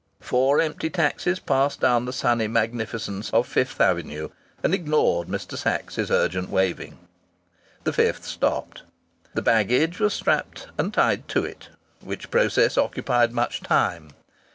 Four empty taxis passed down the sunny magnificence of Fifth Avenue and ignored Mr. Sachs's urgent waving. The fifth stopped. The baggage was strapped and tied to it: which process occupied much time.